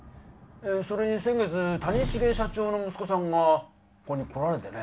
それに先月谷繁社長の息子さんがここに来られてね